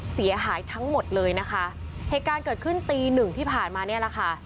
เสียหายทั้งหมดเลยนะคะเหตุการณ์เกิดขึ้นตีหนึ่งที่ผ่านมาเนี่ยแหละค่ะ